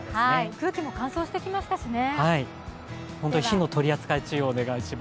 空気も乾燥してきましたしね。